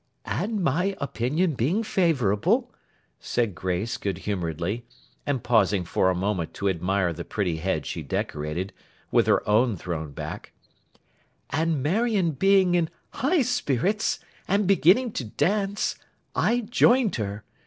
'And my opinion being favourable,' said Grace, good humouredly; and pausing for a moment to admire the pretty head she decorated, with her own thrown back; 'and Marion being in high spirits, and beginning to dance, I joined her.